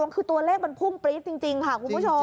คือตัวเลขมันพุ่งปรี๊ดจริงค่ะคุณผู้ชม